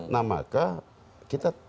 nah maka kita